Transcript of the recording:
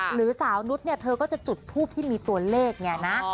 หรือสาวนุษย์เนี่ยเธอก็จะจุดทูปที่มีตัวเลขไงนะ